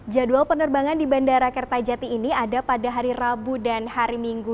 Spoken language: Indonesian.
jadwal penerbangan di bandara kertajati ini ada pada hari rabu dan hari minggu